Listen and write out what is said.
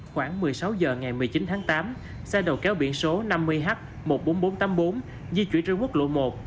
khoảng một mươi sáu h ngày một mươi chín tháng tám xe đầu kéo biển số năm mươi h một mươi bốn nghìn bốn trăm tám mươi bốn di chuyển trên quốc lộ một